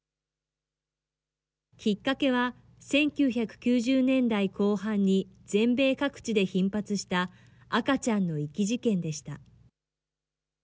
きっかけは、１９９０年代後半に全米各地で頻発した赤ちゃんの遺棄事件でした。